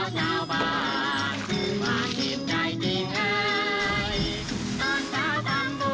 สวัสดีครับ